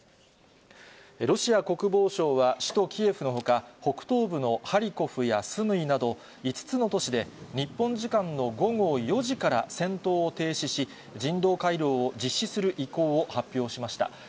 ロシア国防省は、首都キエフのほか、北東部のハリコフやスムイなど、５つの都市で、日本時間の午後４時から戦闘を停止し、人道回廊を実施する意向を発表しました。